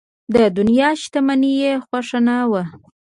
د دنیا شتمني یې خوښه نه وه.